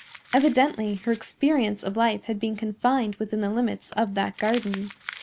Evidently her experience of life had been confined within the limits of that garden.